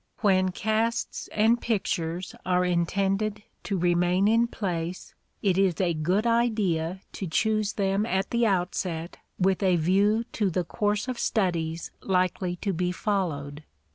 When casts and pictures are intended to remain in place, it is a good idea to choose them at the outset with a view to the course of studies likely to be followed.